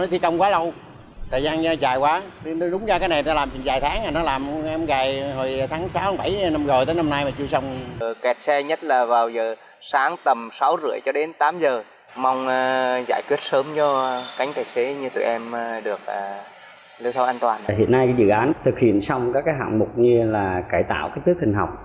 hiện nay dự án thực hiện xong các hạng mục như cải tạo kích thước hình học